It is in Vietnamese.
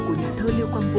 của nhà thơ liêu hoàng vũ